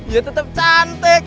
ya tetep cantik